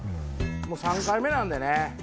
もう３回目なんでね。